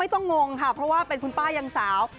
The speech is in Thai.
ต้องงงค่ะเพราะว่าเป็นคุณป้ายังสาว